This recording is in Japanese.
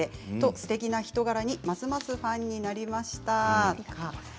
すてきな人柄にますますファンになりました。